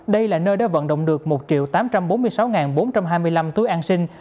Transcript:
đây là nơi đã vận động được một tám trăm bốn mươi sáu bốn trăm hai mươi năm túi an sinh